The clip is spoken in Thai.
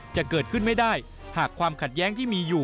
จะเกิดขึ้นไม่ได้หากความขัดแย้งที่มีอยู่